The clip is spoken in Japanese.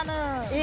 え？